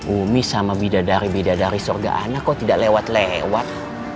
ummi sama bidadari bidadari sorga ana kok tidak lewat lewat